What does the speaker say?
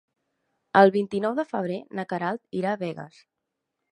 El vint-i-nou de febrer na Queralt irà a Begues.